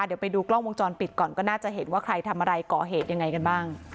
เดี๋ยวไปดูกล้องวงจรปิดก่อนก็น่าจะเห็นว่าใครทำอะไรก่อเหตุยังไงกันบ้าง